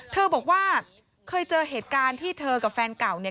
เธอบอกว่าเคยเจอเหตุการณ์ที่เธอกับแฟนเก่าเนี่ย